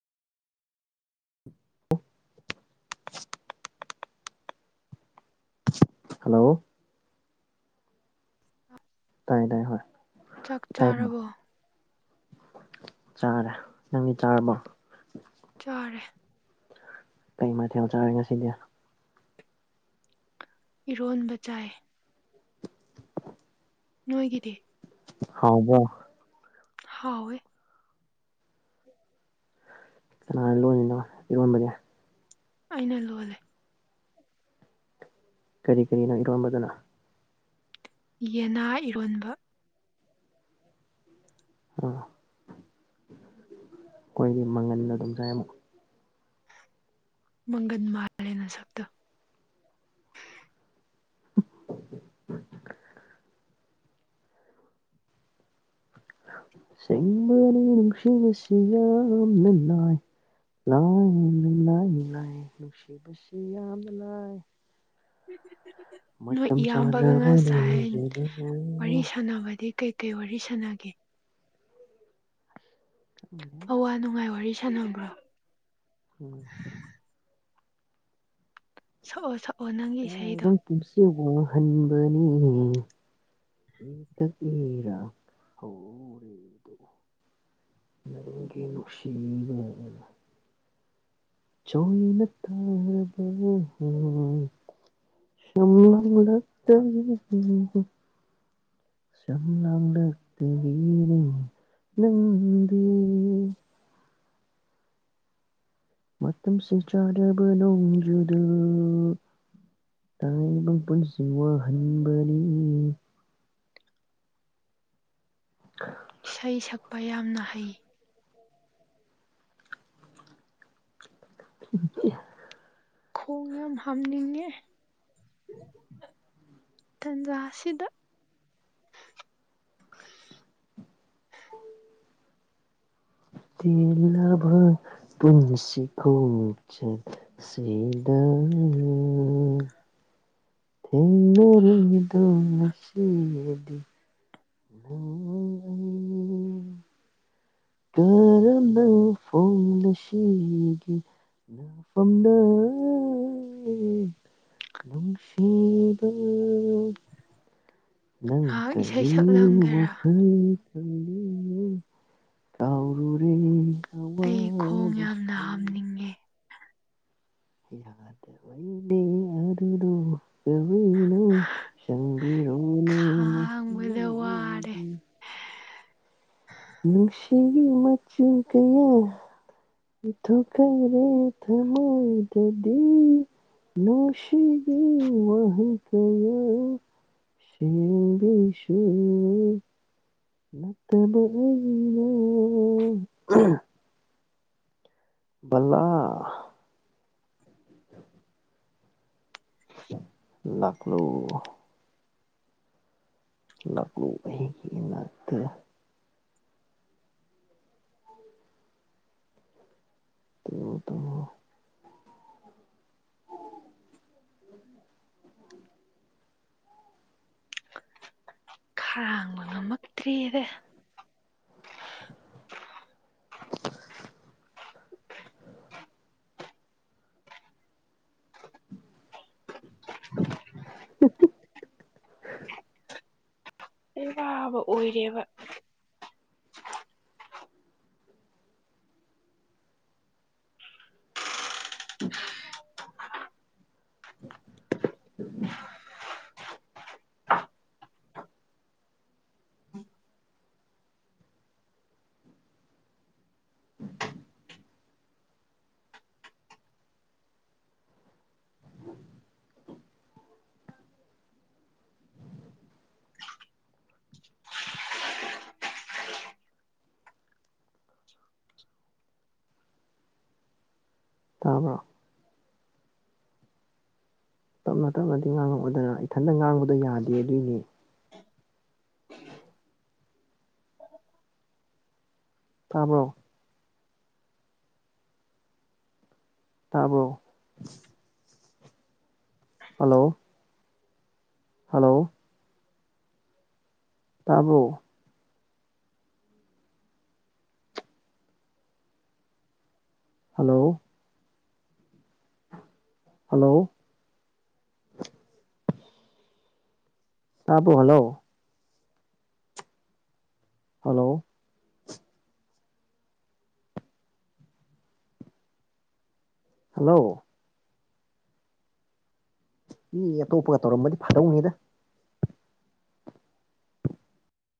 [unintelligible] hello ꯑ ꯇꯥꯏ ꯇꯥꯏ ꯍ ꯇꯥꯏ ꯆꯥꯔꯕꯣ ꯆꯥꯔꯦ ꯅꯪꯃꯤ ꯆꯥꯔꯔꯕ ꯆꯔꯦ ꯀꯩꯃꯊꯦꯜ ꯆꯥꯔꯦ ꯉꯁꯤꯗꯤ ꯏꯔꯣꯟꯕ ꯆꯥꯏ ꯅꯣꯏꯒꯗꯤ ꯍꯥꯎꯕ ꯍꯥꯎꯋꯦ ꯀꯅꯥꯅ ꯂꯣꯏꯅꯣ ꯏꯔꯣꯟꯕꯅꯦ ꯑꯩꯅ ꯂꯣꯜꯂꯦ ꯀꯔꯤ ꯀꯔꯤꯅꯪ ꯏꯔꯣꯟꯝꯕꯗꯅ ꯌꯦꯅꯥ ꯏꯔꯣꯟꯕ ꯑꯥ ꯑꯩꯈꯣꯏꯗꯤ ꯃꯪꯒꯜꯗꯣ ꯑꯗꯨꯝ ꯆꯥꯏ ꯑꯃꯨꯛ ꯃꯪꯒꯟ ꯃꯥꯥꯂꯦꯅ ꯁꯕꯗ ꯁꯔ ꯅꯨꯡꯁꯤ ꯌꯥꯝꯝꯅꯥꯏ ꯂꯥꯏꯥꯏ ꯅꯥꯏ ꯅꯨꯡꯁꯤꯕꯁꯤ ꯌꯥꯝꯅ ꯂꯏ ꯅꯣꯏ ꯏꯌꯥꯝꯕꯒ ꯉ ꯁꯥꯏ ꯅꯣꯡꯖꯨꯗꯕꯨ ꯋꯥꯔꯤ ꯁꯥꯟꯅꯕꯗꯤ ꯀꯩꯀꯩ ꯋꯥꯔꯤ ꯁꯥꯟꯅꯒꯦ ꯑꯋꯥ ꯅꯨꯡꯉꯥꯏ ꯋꯥꯔꯤ ꯁꯥꯟꯅꯕ꯭ꯔꯣ ꯎꯝ ꯁ ꯁ ꯕ ꯄꯨꯨꯝꯁꯤ ꯋꯥꯡꯍꯟꯕꯅꯤ ꯏꯇꯔ ꯍ ꯅ ꯁꯤ ꯆꯏꯅ ꯇꯥꯕ ꯁꯃ ꯇ ꯁꯂꯪꯂ ꯇꯔ ꯎꯝ ꯃꯝ ꯁꯆꯥꯥꯔꯕꯅꯣꯡꯖꯗꯨ ꯇꯥꯛꯕ ꯄꯨꯟꯁꯤ ꯋꯥꯍꯟꯕꯅꯤ ꯄꯌꯥꯝꯅ ꯍꯩ [unintelligible] ꯈꯣꯡꯒꯦ ꯌꯥꯝ ꯍꯅꯤꯡꯉꯦ ꯇꯥꯟꯖꯥꯁꯤꯗ [unintelligible] ꯊ ꯄꯨꯟꯁꯤ ꯀꯧꯕꯆꯠ ꯁꯤꯗ ꯎꯝ ꯊꯦꯡꯟꯅꯔꯤꯗꯅꯁꯤꯗꯤ ꯎ ꯎ ꯀꯔꯅ ꯐꯣꯅꯁꯤꯒꯤ ꯐꯝꯗ ꯅꯨꯡꯁꯤꯗ ꯉꯥꯏꯍꯥꯛ ꯏꯁꯩ ꯅꯪꯇꯒꯤ ꯁꯛꯂꯝꯒꯦꯔꯥ ꯋꯥꯈꯜ ꯈꯜꯂꯤꯉꯩ ꯀꯥꯎꯔꯨꯔꯦ ꯑꯩ ꯈꯣꯡ ꯌꯥꯝꯅ ꯑꯋꯥꯕꯁꯨ ꯍꯥꯝꯅꯤꯡꯉꯦ ꯌꯥꯗꯕꯩꯅꯦ ꯑꯗꯨꯗꯣ [unintelligible] ꯁꯪꯕꯤꯔꯣꯅꯦ ꯉꯥꯡꯕꯗ ꯋꯥꯔꯦ ꯅꯨꯡꯁꯤꯒꯤ ꯃꯆꯨ ꯀꯌꯥ ꯏꯊꯨꯛꯈꯥꯔꯦ ꯊꯃꯣꯏꯗꯗꯤ ꯅꯣꯁꯤꯒꯤ ꯋꯥꯍꯤ ꯀꯌꯥ ꯁꯤꯔꯦꯡꯒꯤꯁꯨ ꯅꯠꯇꯕ ꯑꯩ [unintelligible] ꯕꯜꯂꯥ ꯂꯥꯛꯂꯣ ꯂꯥꯛꯂꯣ ꯑꯩꯒꯤ ꯏꯅꯥꯛꯇ ꯇꯨꯝꯃꯣ ꯇꯨꯝꯃꯣ ꯈꯔꯥꯡꯕ ꯉꯝꯃꯛꯇ꯭ꯔꯦꯗ [unintelligible] [unintelligible] ꯑꯩ ꯋꯥꯕ ꯑꯣꯏꯔꯦꯕ [unintelligible] ꯇꯥꯕ꯭ꯔꯣ ꯇꯞꯅ ꯇꯞꯅꯗꯤ ꯉꯥꯡꯉꯛꯑꯣꯗꯅ ꯏꯊꯟꯇ ꯉꯥꯡꯕꯗꯣ ꯌꯥꯗꯦ ꯑꯗꯨꯏꯅꯦ ꯇꯥꯕ꯭ꯔꯣ ꯇꯥꯕ꯭ꯔꯣ ꯍꯜꯂꯣ ꯍꯜꯂꯣ ꯇꯥꯕꯔꯣ ꯍꯜꯂꯣ ꯍꯂꯣ ꯇꯥꯕꯣ ꯍꯜꯂꯣ ꯍꯜꯂꯣ ꯍꯜꯂꯣ ꯃꯤ ꯑꯇꯣꯞꯄꯒ ꯇꯧꯔꯝꯕꯗꯤ ꯐꯥꯔꯧꯅꯤꯗ